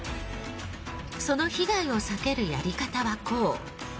その被害を避けるやり方はこう。